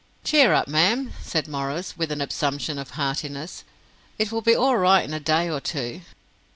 "Cheer up, ma'am," said Maurice, with an assumption of heartiness. "It will be all right in a day or two."